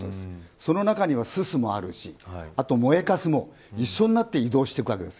その中には、すすもあるし燃えかすも一緒になって移動していくわけです。